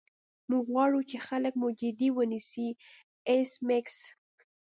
موږ غواړو چې خلک موږ جدي ونیسي ایس میکس